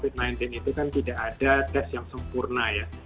kita lihat dari tes untuk covid sembilan belas itu kan tidak ada tes yang sempurna ya